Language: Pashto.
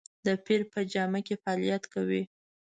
د پیر په جامه کې فعالیت کوي.